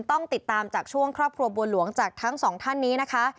ต้องติดตามจากช่วงครอบครัวบัวหลวงจากทั้งสองท่านนี้นะคะ